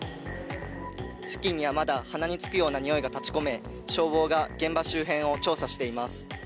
付近にはまだ、鼻につくような臭いが立ちこめ、消防が現場周辺を調査しています。